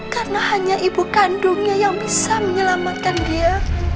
karena hanya ibu kandungnya yang bisa menyelamatkan dia